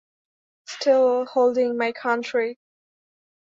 Still holding my country.